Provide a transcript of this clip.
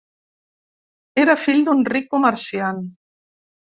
Era fill d'un ric comerciant.